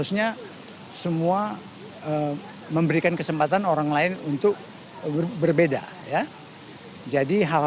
saya tidak paham